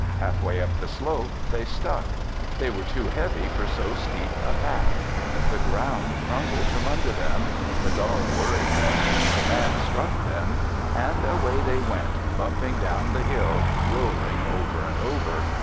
Half way up the slope they stuck. They were too heavy for so steep a path. The ground crumbled from under them, the dog worried them, the Man struck them, and away they went, bumping down the hill, rolling over and over.